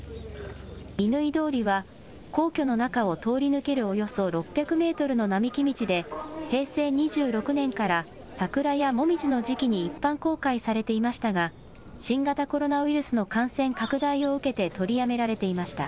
乾通りは皇居の中を通り抜ける、およそ６００メートルの並木道で、平成２６年から桜や紅葉の時期に一般公開されていましたが、新型コロナウイルスの感染拡大を受けて取りやめられていました。